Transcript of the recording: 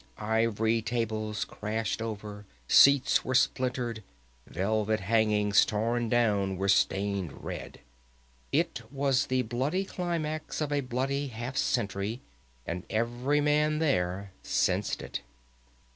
Ivory tables crashed over, seats were splintered, velvet hangings torn down were stained red. It was the bloody climax of a bloody half century, and every man there sensed it.